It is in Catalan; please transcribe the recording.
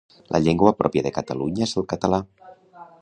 La llengua pròpia de Catalunya és el català